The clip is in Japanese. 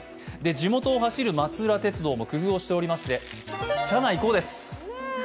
地元を走る松浦鉄道も工夫してまして車内こうです。